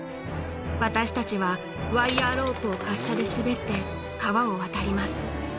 私たちはワイヤロープを滑車で滑って川を渡ります。